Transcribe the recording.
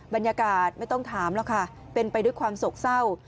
บรรยากาศไม่ต้องถามหรอกค่ะเป็นไปด้วยความโศกเศร้า